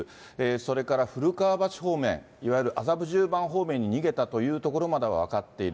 それから古川橋方面、いわゆる麻布十番方面に逃げたというところまでは分かっている。